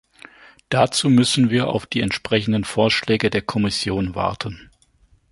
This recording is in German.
Dazu müssen wir auf die entsprechenden Vorschläge der Kommission warten.